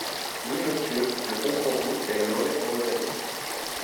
Oui, monsieur : le bon pour vous et le mauvais pour vos amis.